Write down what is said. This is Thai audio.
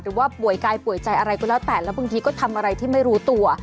หรือว่าป่วยกายป่วยใจอะไรก็แล้วแต่แล้วบางทีก็ทำอะไรที่ไม่รู้ตัว